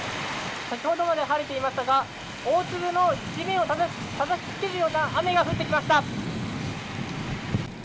先ほどまでは晴れていましたが大粒の地面をたたきつけるような雨が降ってきました。